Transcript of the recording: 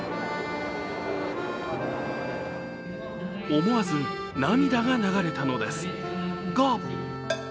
思わず涙が流れたのですが！